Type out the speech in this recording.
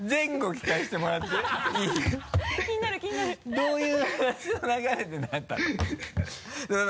どういう話の流れでなったの？